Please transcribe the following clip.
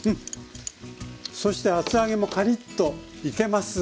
そして厚揚げもカリッといけます。